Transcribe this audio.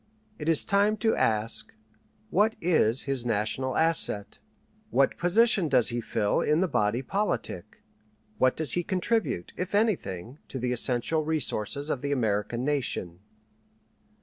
It is time to ask: What is his national asset? What position does he fill in the body politic? What does he contribute, if anything, to the essential resources of the American nation?